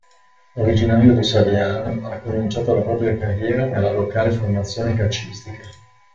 Originario di Saviano, ha cominciato la propria carriera nella locale formazione calcistica.